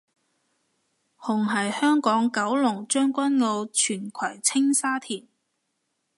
紅係香港九龍將軍澳荃葵青沙田